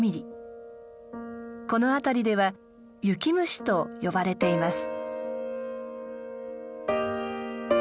この辺りでは「雪虫」と呼ばれています。